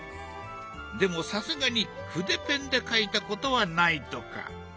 でもさすがに筆ペンで描いたことはないとか。